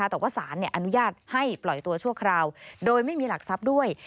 แต่ว่าสารอนุญาตให้ปล่อยตัวชั่วคราวโดยไม่มีหลักทรัพย์ด้วย